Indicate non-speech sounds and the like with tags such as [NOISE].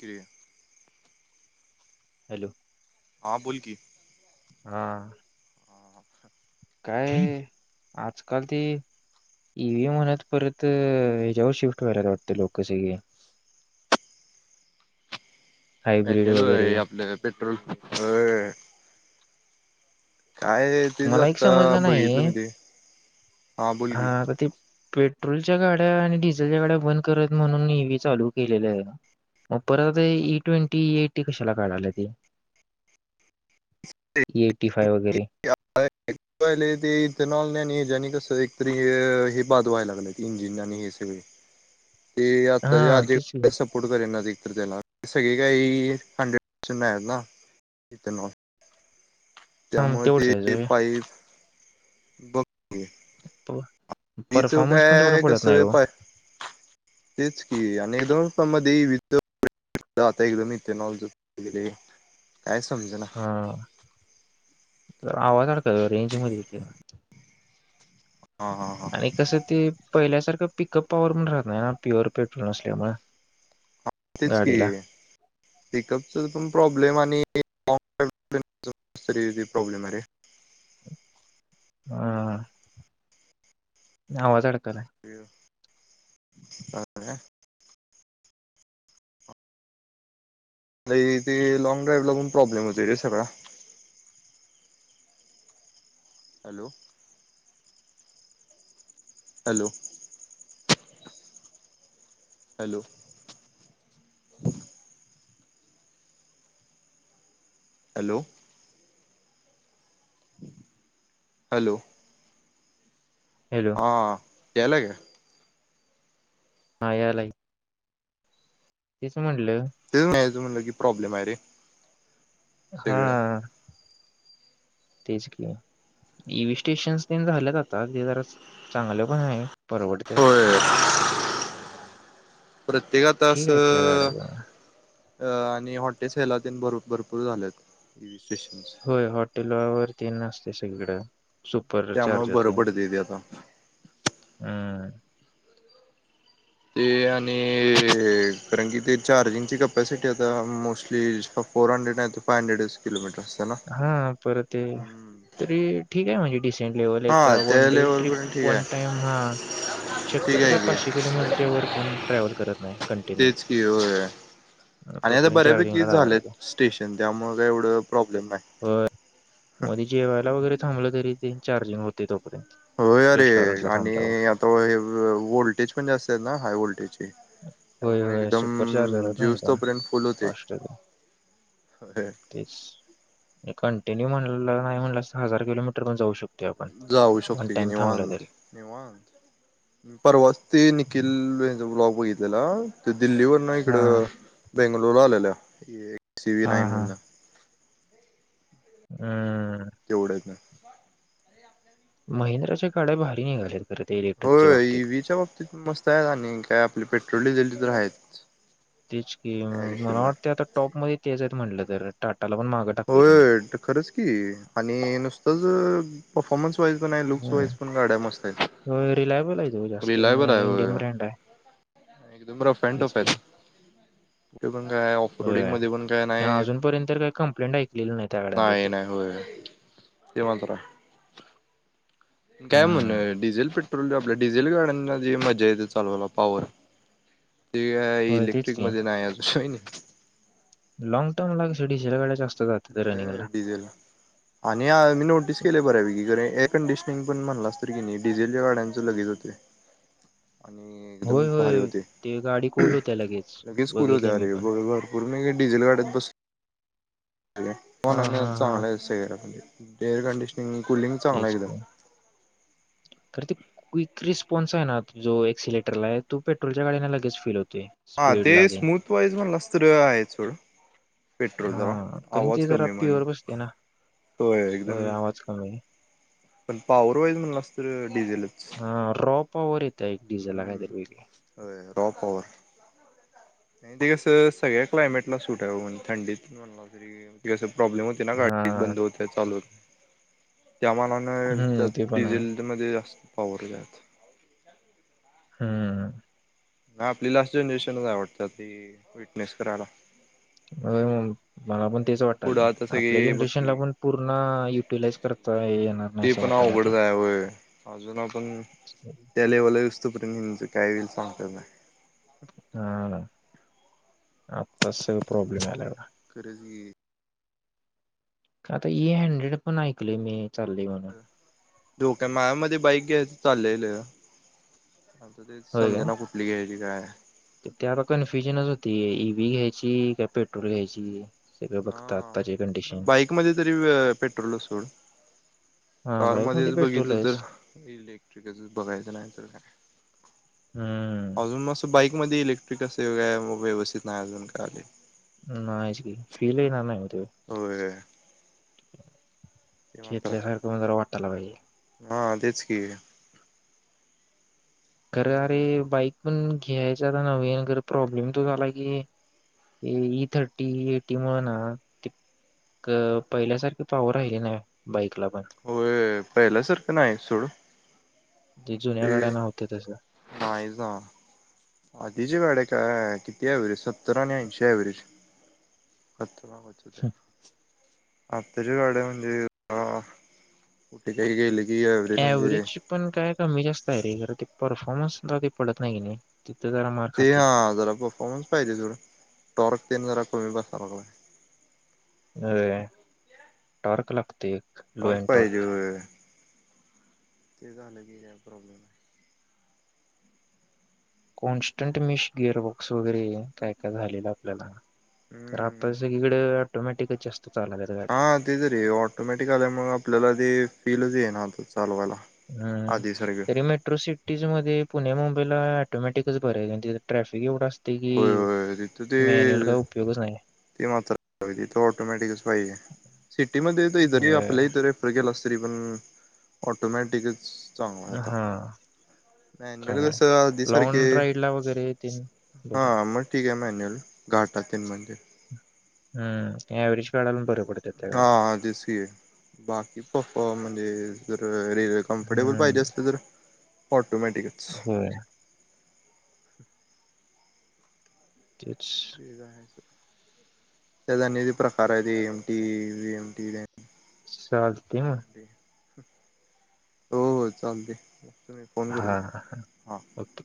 केलेया. Hello. हा बोल की हा. काय आजकाल ते ईव्ही म्हणत परत हच्यावर शिफ्ट व्हायलाच वाटते लोक सगळे. हायब्रीड मल वगैरे आपलं. [INAUDIBLE] काय तेच मला एक आता समजलं बघितलं नाही मी ते हा बलगी आता ते पेट्रोलच्या गाड्या आणि डिझेलच्या गाड्या बंद करत म्हणून नि व चालू केलेलं आहे मग परत आता इई ट्वेंटी एटी कशाला काढला ते. एटी फाय वगैरे ले ते इथेनॉल न आणि हने कसं एकतरी हे बाांधवाय लागलं इंजिन आणि हे सगळे. ते आता हा आजी तेच की. सपोर्ट करेन ना त त्याला सगळे काही हंड्रेड पसेंट आहेत ना इ. हा मग त्यामुळे तेवढंच ते आहे पाईप. बम [INAUDIBLE] परफॉर्मन्स पण तेवढा पडत नाही हो तेच कि आणि एक दोन म विद आता एकदथेनॉल ज गेले. काय समजना हा आवाज. रेंजमध्ये ये कि हा हा हा आणि कसं ते पहिल्यासारखं. पिकप्पावर म्हण राहत ना ना पीवर पेटोल नसल्यामुळें तेच की पिकअपच पण प्रॉब्लेम आणि [INAUDIBLE] शरीर हे प्रॉब्लेम आहे. हा हा आवाज अडक तें [UNINTELLIGIBLE] [UNINTELLIGIBLE] नाही, ते लॉन्ग ड्राईव्ह लागून प्रॉब्लेम होतय रे सगळा. Hello. Hello. Hello. Hello. Hello. Hello हा हा यायलाय काय? हा यायलाय. तस म्हण. ते नाहीच म्हनल की प्रॉब्लेम आहे रे, हा सगळं. तेच की इव्हीस्टेशन पण झाल्यात आता, ते जरा चांगलं पण आहे. परवडत्यात. होय प्रत्येक आता ठीक आहेत त्या गाड्या असं. जरा अ आणि हॉटेल्स [UNINTELLIGIBLE] भरपूर झालेत. होय हॉटेलावर. [UNINTELLIGIBLE] न असते सगळीकडें. सुपर त्यामुळे बरं चार्जेसिंग. पडतय ते आता हम्म. ते आणि कारण की ते चार्जिंगची कपसिटी आता मोस्टली फोर हंड्रेड आहे नाहीतर फाय हंड्रेड किलोमीटर. असते ना हा बरं ते तरी ठीक आहे म्हणजे लेवल एक हा वन त्या डे ट्रिप, लेवलपर्यंत ठीक वन आहे टाइम, हा- ठीक शक्यतो आहे काय पाचशे की किलोमीटरच्या वर कोण ट्रॅव्हल करत नाही. कंटिनू. तेच की होय आणि तो आता पर्यत बऱ्यापैकी चार्जिंगला [UNINTELLIGIBLE] झालेत स्टेशन त्यामुळे काय एवढं प्रॉब्लेम नाही होय मोदीजी व्हायला वगैरे थांबलं तरी ते चार्जिंग होते तो. होय अरे आणि--आता हे व्होल्टेज पण जास्त आहेत ना, हाय व्होल्टेज. होय त्यामुळे होय एकदम सुपर चार्जर आहेत ना जेवस्तो एकदम पर्यंत फुल होते. फास्ट आहे ते कंटिन्यू म्हण नाही म्हणलसं तर हजार किलोमीटर पण जाऊ शकतो. जाऊ शकते कि निवांत. निवांत परवा ते निखिल ब्लॉग बघितलेला दिल्ली वर ना हा इकडं बेंगलुरू आलेल्या. टी व्ही हा नाईन हा मधना हम्. तेवढंच ना. महेंद्राच्या काड्या भाहारी निघाल्यात. खरं ते हो इलेक्ट्रिकच्या बाबतीत ईव्हीच्या बाबतीत मस्त आहे हाणि काय आपली पेट टोली [UNINTELLIGIBLE] दिल्ली तर आहेत. तेच की विषय मला नाही वाटत आता टॉपमध्येध्ये तेज आहेत म्हंणलंत. जरा टाट होय होय खरंच की आणि नुसतज अ. पफॉमन्स ईज पण लुक् [UNINTELLIGIBLE] वाईज पण काड्या मस्त आहेत. होय रिलायबल आहे तो जास्त रिलायबल आहे होय इंडियन ब्रँड आहे बफेन रफन तेच टफ हे की ते पण काय आहे ऑफ रोडिंग होय मध्ये पण काय ना नाही अजूनपर्यंत तर काही कंप्लेंट ऐकलेली नाही त्या नाही गाड्यांबद्दल नाही होय ते मात्रा. काय म्हण हम्म डिझेल पेट पेट्रोल [UNINTELLIGIBLE] आपल्या डिझेल गाड्यांना जी मजा येते चालवला पावर. ते अ होय तेच इलेक्ट्रिक मजन आल [UNINTELLIGIBLE] सय लँगटर्म डीझेल गाड्या [UNINTELLIGIBLE] शे सग्याकडे जास्त. जातात ह रनिंगला डिझेल आणि अ मी नोटीस केले बऱ्यार्पैकी [UNINTELLIGIBLE] कंडिशनिंग पण म्हणलास तरी कि नाही डिझेलच्या गाड्यांच लगेच होतय. आणि होय एकदम भारे होय होते ते गाडी कूल होत्या लगेच कुल बघितले होते मी अरे पण भरपूर मी डिझेल गाड्यात बस. हा मनान हा हा चांगला सेर ो अम कुलींग चांगला एकदा. तर ते क्विक रिस्पॉन्स आहे ना जो एक्सिलेटरला आहे तो पेट्रोलच्या गाडीना लगेच फील होतो. हा ते स्मूथ वाईज म्हणला लस्त्रआहे सोड. पेट्रोल जरा हा कारण ते आवाज जरा कमी म्हण पीओर बसते ना, होय अय एकदम आवाज कमी पण पॉवर वाईज म्हणला स त. [UNINTELLIGIBLE] हा रोप पवर हे. त्या एक डीझल [UNINTELLIGIBLE] दिस झाला हम्म कायतरी पहिली नाही ते कसं सगळ्या क्लायमेटला सूट आहे म्ह थंडीत [UNINTELLIGIBLE] म्हण त कस प्रॉब्लेम होते ना गाडी हा बंद होते चालू होते. त्यामानाने त्या हम्म, ते पण आहे. डिझेलमध्ये [UNINTELLIGIBLE] जास पावररूयात [UNINTELLIGIBLE] हम्म. ना आपली लास्ट जनरेशनच आवडती ती विटनेस करायला अ मला पण तेच पुढं वाटलय आता आपल्या सगळे जनरेशनला बघकी पण पूर्ण युटिलाइज करता येणार नाही ते असं पण वाटल आता अवघडच आहे होय अजून आपण त्या [UNINTELLIGIBLE] काय व्हील सांग [UNINTELLIGIBLE] [UNINTELLIGIBLE] आताच स प्रॉब्लेम यालय बघा खरंच की आता ये हंड्रेड पण ऐकलय मी चाललंय म्हणून. डोकं मायामध्ये बाईक घ्यायचं चाल्येल आमचं तेच समजना कुठली घ्यायची काय? त त्या लोकांनी कन्फ्युजनच होती ईव्ही घ्यायची काय पेट्रोल घ्यायची सगळं बघता आत्ताची अ कंडिशन. बाईक मध्ये तरी वे पेट्रोल सोड, हां, कार बाईकमध्ये मध्येच बघितलं तर पेट्रोलच. इलेक्ट्रिक बघायचं नाही तर काय हम्म. अजून म असं बाईक मधी इलेक्ट्रिक असं [UNINTELLIGIBLE] व्यवस्थित नाही अजून का नाहीच की फी [UNINTELLIGIBLE] तो होय ते मात्र घेतल्यासारखं वगैरे वाटाय लागलय हा तेच की खरं अरे बाईक पण घ्यायच आता नवीन प्रॉब्लेम तो झाला की इई [UNINTELLIGIBLE] ते पहिल्यासारखी पावर राहिली नाही. [UNINTELLIGIBLE] होय पहिल्यासारखं नाही सोड ते जुन्या गड्या नव्हत्या तेजा नाहीच ना आधीच्या गाड्या काय किती ऍवरेज सत्तर आणि ऐंशी ऍवरेज [UNINTELLIGIBLE] आताच्या गाड्या म्हणजे कुट काय गेलं ऍवरेज पण काय कमी जास्त काय रे ते परफॉर्मन्स ते पडत नाही कणी ते हा अं जरा परफॉर्मन्स पाहिजे सोड टॉर्क ते आणि जरा कमी बसालागलाय अ टॉर्क लागतोय टॉर्क पाहिजे व्हय ते झाल की काय प्रॉब्लेम नाही कॉन्स्ट- तर आपल्या हम्म. सकडे टोमॅटिक हा ते त रे ऑटोमॅटिक आल्यामु आपल्याला ते फीलच आहे ना त चालवायला. हम्म आधीसारखं तरी मेट्रो सिटीज मध्ये पुणे मुंबई प उपयोगच [UNINTELLIGIBLE] नाही तरी होय पण ऑटोमॅटिकच चांगला आहे आता. हा मॅन्युअल खरय कसं आधी लॉग सारखे रााईड ला वगैरे येतील हा मग ठीक आहे मॅन्युअल घाटात ते म्हणजे हम्म आवरेज काढायला बरं पडतात त्या हा गाड्या दिसय बाकी प- ते जर कम्फर्टेबल हम्म पाहिजे असत तर पट ऑटोमॅटिक्स होय तेच [UNINTELLIGIBLE] त्याने प्रकार आहे एमटी बी एम टी चालतय म हो हो चालते तुम्ही फोन हा करतो हा हा ओके